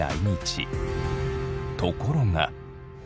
ところが！